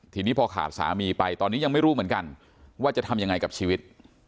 ทีนี้พอขาดสามีไปตอนนี้ยังไม่รู้เหมือนกันว่าจะทำยังไงกับชีวิต